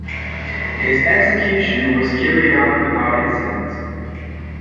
His execution was carried out without incident.